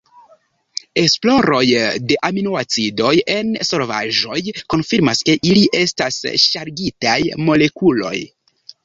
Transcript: Esploroj de aminoacidoj en solvaĵoj konfirmas ke ili estas ŝargitaj molekuloj.